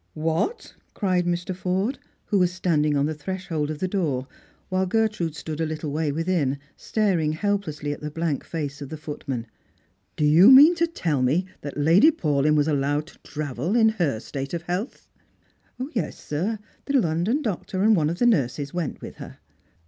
" What 1 " cried Mr. Forde, who was standing on the thres Strangers and Pilgrims. 31 9 hold of the door, while Gertrude stood a little way within, staring helplessly at the blank face of the footman. " Do you mean to tell me that Lady Paulyn was allowed to travel in her etate of health ?"•' Yes, sir. The London doctor and one of the nurses went rath, her."